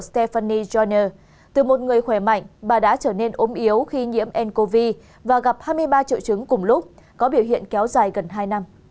stéphanie jonaner từ một người khỏe mạnh bà đã trở nên ốm yếu khi nhiễm ncov và gặp hai mươi ba triệu chứng cùng lúc có biểu hiện kéo dài gần hai năm